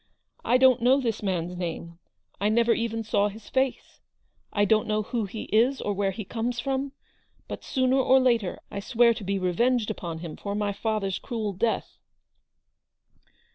I don't know this man's name ; I never even saw his face ; I don't know who he is, or where he comes from ; but sooner or later I swear to be revenged upon him for my father's cruel death."